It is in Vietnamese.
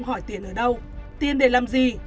hỏi tiền ở đâu tiền để làm gì